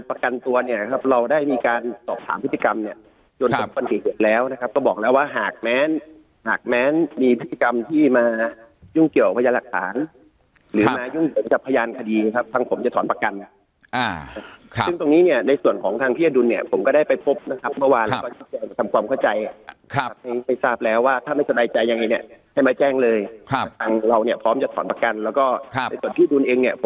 ออกพยายามหลักฐานหรือมายุ่งหยุดจับพยานคดีครับทางผมจะถอนประกันอ่าครับซึ่งตรงนี้เนี้ยในส่วนของทางพี่อดุลเนี้ยผมก็ได้ไปพบนะครับเมื่อวานครับครับทำความเข้าใจครับครับไปทราบแล้วว่าถ้าไม่สบายใจยังไงเนี้ยให้มาแจ้งเลยครับทางเราเนี้ยพร้อมจะถอนประกันแล้วก็ครับในส่วนพี่ดุลเองเนี้ย